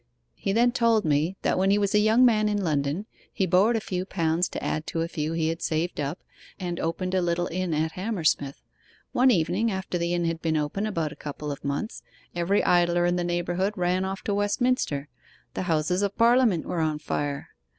He then told me that when he was a young man in London he borrowed a few pounds to add to a few he had saved up, and opened a little inn at Hammersmith. One evening, after the inn had been open about a couple of months, every idler in the neighbourhood ran off to Westminster. The Houses of Parliament were on fire.